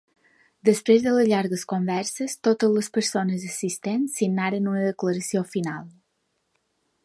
Després de llargues converses, totes les persones assistents signaren una declaració final.